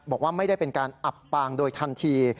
บอกว่าไม่ได้เป็นการอับปางโดยทันที